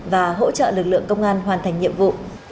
và hỗ trợ lực lượng công an hoàn thành nhiệm vụ